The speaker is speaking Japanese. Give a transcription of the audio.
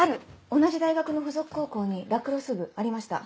同じ大学の附属高校にラクロス部ありました。